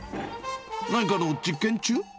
何かの実験中？